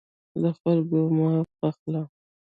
له خلکو مه بخله.